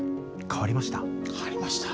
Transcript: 変わりました。